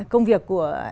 công việc của